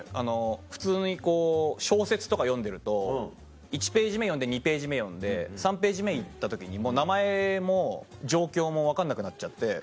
普通に小説とか読んでると１ページ目読んで２ページ目読んで３ページ目に行った時に名前も状況も分かんなくなっちゃって。